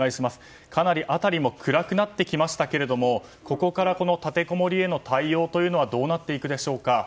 かなり辺りも暗くなってきましたがここからこの立てこもりへの対応はどうなっていくでしょうか。